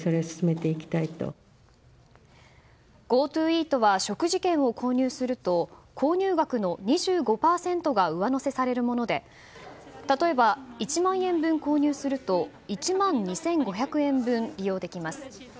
ＧｏＴｏイートは食事券を購入すると購入額の２５％が上乗せされるもので例えば１万円分購入すると１万２５００円分利用できます。